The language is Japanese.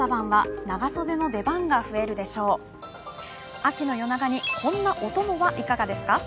秋の夜長に、こんなお供はいかがですか？